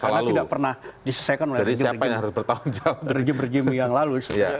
karena tidak pernah disesaikan oleh derjim derjim yang lalu